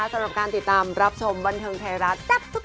ต้องมีดวงด้วย